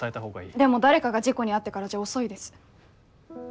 でも誰かが事故に遭ってからじゃ遅いです。